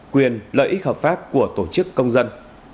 quyền lợi ích hợp pháp của tổ chức công dân